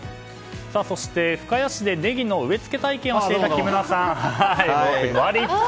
そして、深谷市でねぎの植え付け体験をしていた木村さんが戻ってきました。